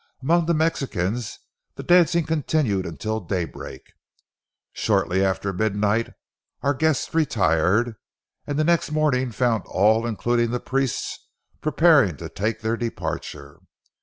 Among the Mexicans the dancing continued until daybreak. Shortly after midnight our guests retired, and the next morning found all, including the priests, preparing to take their departure.